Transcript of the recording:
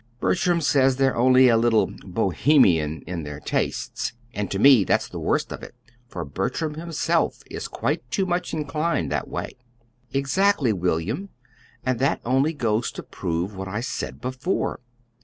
Bertram says they're only a little 'Bohemian' in their tastes. And to me that's the worst of it, for Bertram himself is quite too much inclined that way." "Exactly, William. And that only goes to prove what I said before.